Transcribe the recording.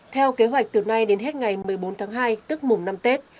theo kế hoạch từ nay đến hết ngày một mươi bốn tháng hai tức mùng năm tết